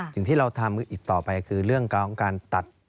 สิ่งที่เราทำอีกต่อไปคือเรื่องของการตัด